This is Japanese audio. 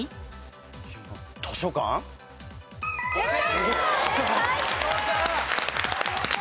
正解。